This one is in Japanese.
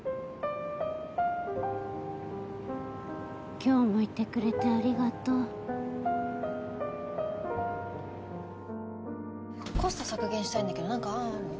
今日もいてくれてありがとうコスト削減したいんだけどなんか案ある？